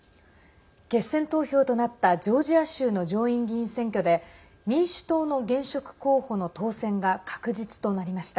決選投票となったジョージア州の上院議員選挙で民主党の現職候補の当選が確実となりました。